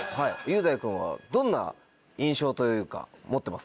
雄大君はどんな印象というか持ってますか？